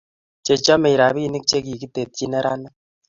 Chechomei robinik che kikitetyi neranik